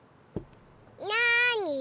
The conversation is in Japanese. なに？